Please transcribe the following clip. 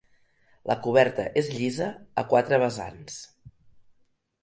La coberta és llisa, a quatre vessants.